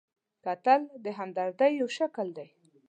کتل د همدردۍ یو شکل دی